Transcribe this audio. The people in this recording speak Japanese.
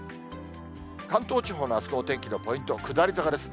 関東地方のあすのお天気のポイント、下り坂です。